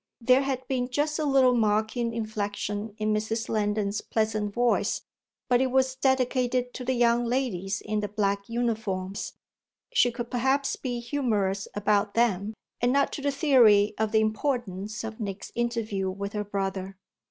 There had been just a little mocking inflexion in Mrs. Lendon's pleasant voice; but it was dedicated to the young ladies in the black uniforms she could perhaps be humorous about them and not to the theory of the "importance" of Nick's interview with her brother.